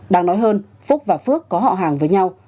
đáng nói hơn phúc và phước có họ hàng với nhau